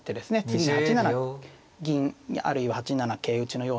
次に８七銀あるいは８七桂打のような。